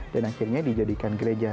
dan akhirnya dijadikan gereja